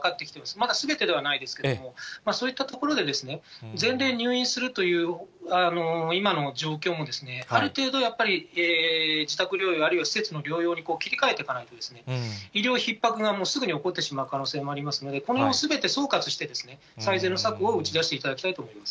まだすべてではないですけれども、そういったところで、全員が入院するという今の状況も、ある程度やっぱり、自宅療養あるいは施設の療養に切り替えていかないと、医療ひっ迫がもう、すぐに起こってしまう可能性もありますので、これをすべて総括して、最善の策を打ち出していただきたいと思います。